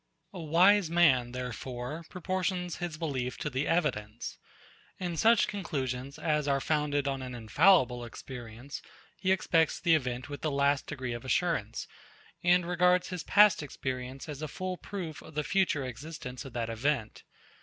A wise man, therefore, proportions his belief to the evidence. In such conclusions as are founded on an infallible experience, he expects the event with the last degree of assurance, and regards his past experience as a full proof of the future existence of that event.